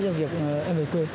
cho việc em ở quê